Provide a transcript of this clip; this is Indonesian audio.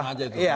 harapan kita itu